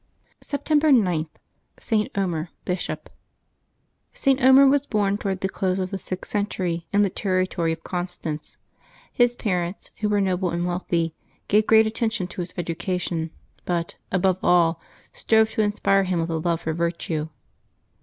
September 9. — ST. OMER, Bishop. iT. Omer was born toward the close of the sixth cen tury, in the territory of Constance. His parents, who were noble and wealthy, gave great attention to his edu cation, but, above all, strove to inspire him with a lore for virtue.